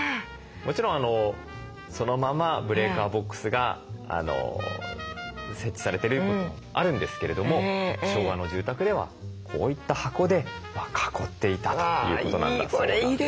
もちろんそのままブレーカーボックスが設置されてることもあるんですけれども昭和の住宅ではこういった箱で囲っていたということなんだそうなんですね。